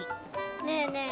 ねえねえ